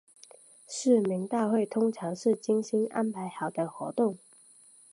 市民大会通常是精心安排好的活动。